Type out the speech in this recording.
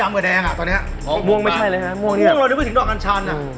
ม่วงไม่ใช่เลยนะ